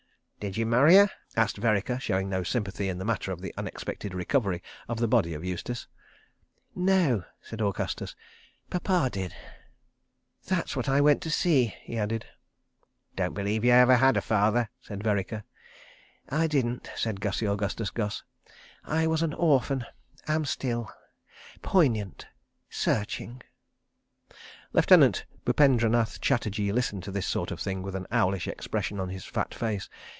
"Did you marry her?" asked Vereker, showing no sympathy in the matter of the unexpected recovery of the body of Eustace. "No," said Augustus. "Pappa did." ... "That's what I went to see," he added. "Don't believe you ever had a father," said Vereker. "I didn't," said Gussie Augustus Gus. "I was an orphan. ... Am still. ... Poignant. ... Searching. ..." Lieutenant Bupendranath Chatterji listened to this sort of thing with an owlish expression on his fat face.